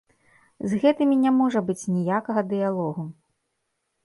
З гэтымі не можа быць ніякага дыялогу.